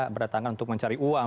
berdatangan untuk mencari uang